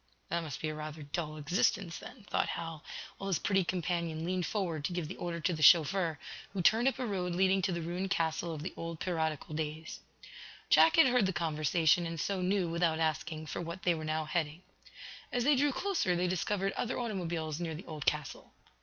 "That must be rather a dull existence, then," thought Hal, while his pretty companion leaned forward to give the order to the chauffeur, who turned up a road leading to the ruined castle of the old piratical days. Jack had heard the conversation, and so knew, without asking, for what they were now heading. As they drew closer they discovered other automobiles near the old castle.